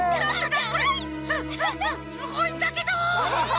すすすすごいんだけど！